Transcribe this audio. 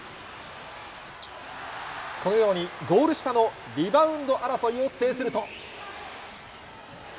このように、ゴール下のリバウンド争いを制すると。